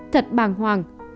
thật bàng hoàng